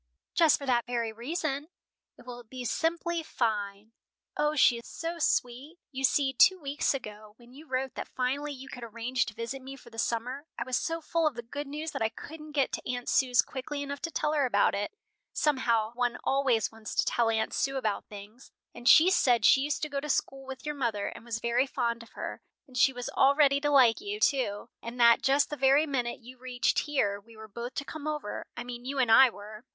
"Just for that very reason. It will be simply fine. O, she is so sweet! You see, two weeks ago, when you wrote that finally you could arrange to visit me for the summer, I was so full of the good news that I couldn't get to Aunt Sue's quickly enough to tell her about it, somehow one always wants to tell Aunt Sue about things, and she said she used to go to school with your mother, and was very fond of her, and she was all ready to like you, too, and that just the very minute you reached here, we were both to come over I mean you and I were."